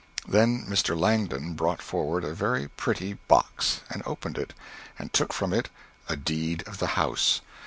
Then Mr. Langdon brought forward a very pretty box and opened it, and took from it a deed of the house.